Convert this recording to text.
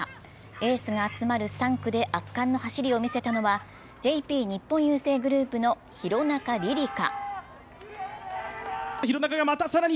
エースが集まる３区で圧巻の走りを見せたのはＪＰ日本郵政グループの廣中璃梨佳。